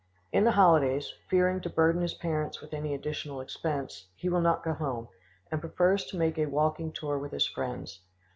In the holidays, fearing to burden his parents with any additional expense, he will not go home, and prefers to make a walking tour with his friends.